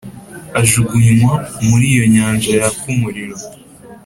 ajugunywa muri iyo nyanja yaka umuriro.